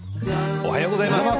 おはようございます。